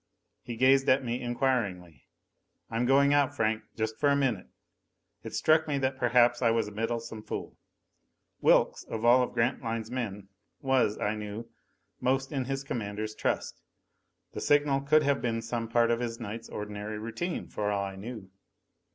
He gazed at me inquiringly. "I'm going out, Franck. Just for a minute." It struck me that perhaps I was a meddlesome fool. Wilks, of all of Grantline's men, was, I knew, most in his commander's trust. The signal could have been some part of this night's ordinary routine, for all I knew.